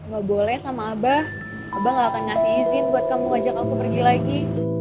gak boleh sama abah abah gak akan ngasih izin buat kamu ajak aku pergi lagi